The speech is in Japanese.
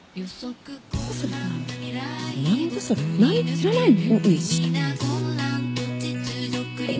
知らないの？